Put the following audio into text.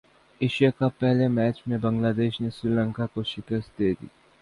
Asia cup پہلے match میں Bangladesh نے سری لنکا کو شکست دیدی